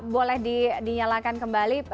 boleh dinyalakan kembali